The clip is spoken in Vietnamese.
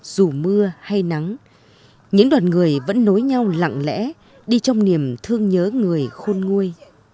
dù mưa hay nắng những đoàn người vẫn nối nhau lặng lẽ đi trong niềm thương nhớ người khôn nguôi